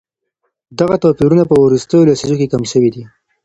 دغه توپيرونه په وروستيو لسيزو کي کم سوي دي.